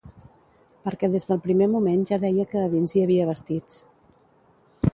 Perquè des del primer moment ja deia que a dins hi havia vestits